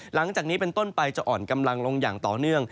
หลังจากนี้เป็นต้นไปจะอ่อนกำลังลงอย่างต่อเนื่อง